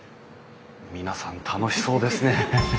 皆さん楽しそうですね。